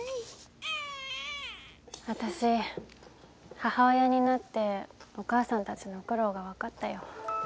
私母親になってお母さんたちの苦労が分かったよ。